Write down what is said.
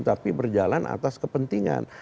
tapi berjalan atas kepentingan